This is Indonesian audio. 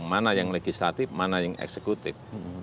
mana yang legislatif mana yang eksekutif